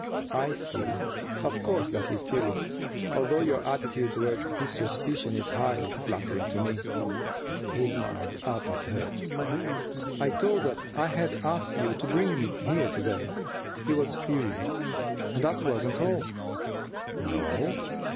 "I see. Of course that is silly, although your attitude toward his suspicion is hardly flattering to me." He smiled up at her. "I told him that I had asked you to bring me here to day. He was furious. And that wasn't all." "No?"